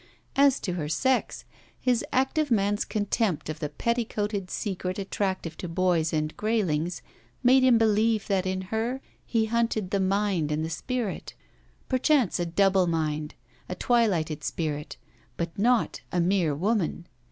As to her sex, his active man's contempt of the petticoated secret attractive to boys and graylings, made him believe that in her he hunted the mind and the spirit: perchance a double mind, a twilighted spirit; but not a mere woman.